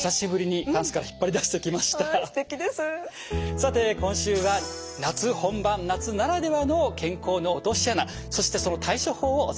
さて今週は夏本番夏ならではの健康の“落とし穴”そしてその対処法をお伝えします。